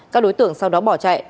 các đối tượng sau đó bỏ chạy